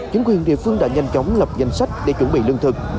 chính quyền địa phương đã nhanh chóng lập danh sách để chuẩn bị lương thực